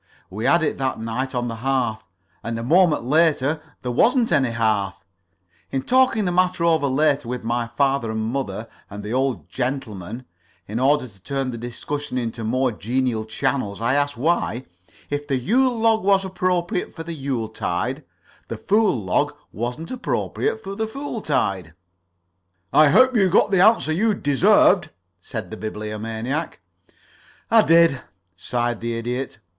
We had it that night on the hearth, and a moment later there wasn't any hearth. In talking the matter over later with my father and mother and the old gentleman, in order to turn the discussion into more genial channels, I asked why, if the Yule log was appropriate for the Yule tide, the Fool log wasn't appropriate for the Fool tide." "I hope you got the answer you deserved," said the Bibliomaniac. "I did," sighed the Idiot.